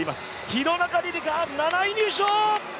廣中璃梨佳、７位入賞！